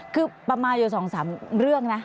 คือประมาณอยู่๒๓เรื่องนะ